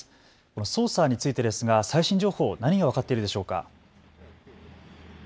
捜査についてですが最新情報、何が分かっているでしょうか。